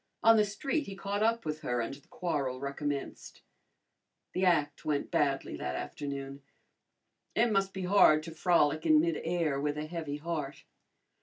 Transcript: On the street he caught up with her and the quarrel recommenced. The act went badly that afternoon. It must be hard to frolic in midair with a heavy heart.